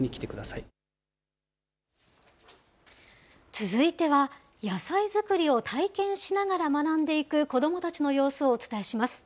続いては、野菜づくりを体験しながら学んでいく子どもたちの様子をお伝えします。